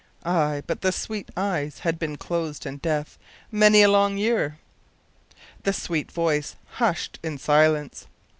Ay, but the sweet eyes had been closed in death many a long, long, year, the sweet voice hushed in silence.